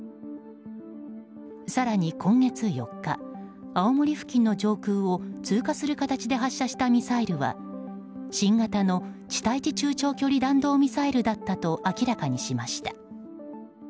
更に、今月４日青森付近の上空を通過する形で発射したミサイルは新型の地対地中長距離弾道ミサイルだったと明らかにしました。